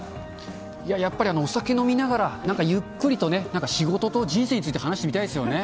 いや、やっぱり、お酒を飲みながらなんかゆっくりとね、なんか仕事と人生について話してみたいですよね。